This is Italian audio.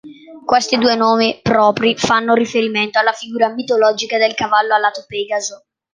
Questi due nomi propri fanno riferimento alla figura mitologica del cavallo alato Pegaso.